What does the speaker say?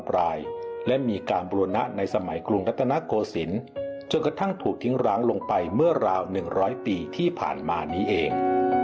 ร้างลงไปเมื่อราว๑๐๐ปีที่ผ่านมานี้เอง